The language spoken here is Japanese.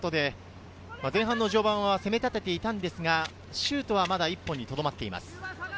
前半序盤は攻め立てていたんですが、シュートはまだ１本にとどまっています。